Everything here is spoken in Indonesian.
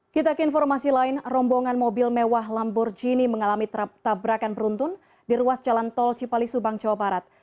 kita ke informasi lain rombongan mobil mewah lamborghini mengalami tabrakan beruntun di ruas jalan tol cipali subang jawa barat